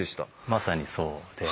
まさにそうで。